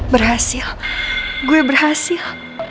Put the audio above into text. berhasil gue berhasil